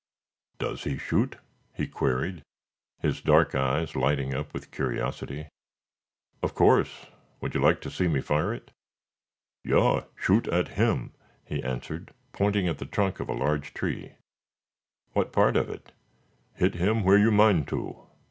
"Does he shoot?" he queried, his dark eyes lighting up with curiosity. "Of course. Would you like to see me fire it?" "Yaw! shoot at him," he answered, pointing at the trunk of a large tree. "What part of it?" "Hit him where you mind to."